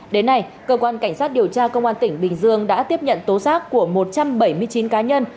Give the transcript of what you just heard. đến nay cơ quan cảnh sát điều tra công an tỉnh bình dương đã tiếp nhận tố giác của một trăm bảy mươi chín cá nhân